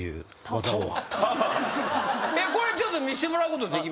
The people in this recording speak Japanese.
これちょっと見せてもらうことできます？